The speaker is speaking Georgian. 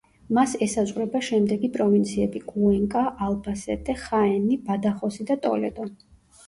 მას ესაზღვრება შემდეგი პროვინციები: კუენკა, ალბასეტე, ხაენი, ბადახოსი და ტოლედო.